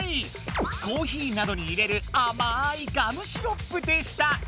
コーヒーなどに入れるあまい「ガムシロップ」でした。